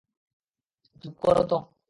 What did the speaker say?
চুপ করো তো!